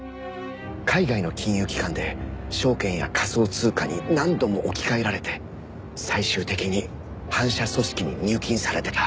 海外の金融機関で証券や仮想通貨に何度も置き換えられて最終的に反社組織に入金されてた。